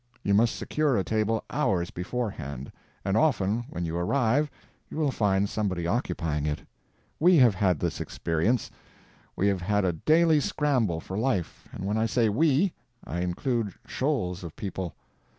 You must secure a table hours beforehand, and often when you arrive you will find somebody occupying it. We have had this experience. We have had a daily scramble for life; and when I say we, I include shoals of people.